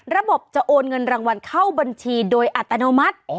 ระบบจะโอนเงินรางวัลเข้าบัญชีโดยอัตโนมัติ